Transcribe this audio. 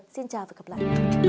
xin chào và hẹn gặp lại